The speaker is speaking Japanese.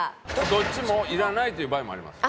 どっちもいらないという場合もあります。